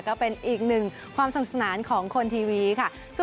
ก็เป็นอีกหนึ่งความสนุกสนานของคนทีวีค่ะ